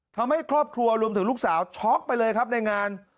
ทำให้ครอบครัวรวมถึงลูกสาวช็อกไปเลยครับในงาน